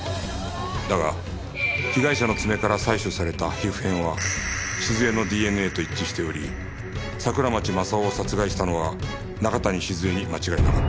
だが被害者の爪から採取された皮膚片は静江の ＤＮＡ と一致しており桜町正夫を殺害したのは中谷静江に間違いなかった